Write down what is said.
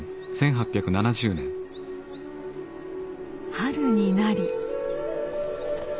春になり。